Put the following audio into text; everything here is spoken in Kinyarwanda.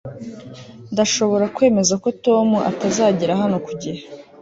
Ndashobora kwemeza ko Tom atazagera hano ku gihe